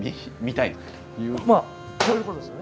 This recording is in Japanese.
まあこういうことですよね。